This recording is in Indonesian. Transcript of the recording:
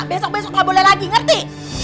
besok besok nggak boleh lagi ngerti